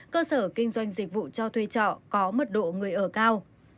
cơ sở kinh doanh dịch vụ cho thuê trọ có mật độ người ở cao